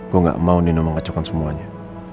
gue gak mau nino mengacaukan semuanya